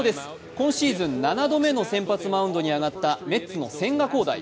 今シーズン７度目の先発マウンドに上がったメッツの千賀滉大。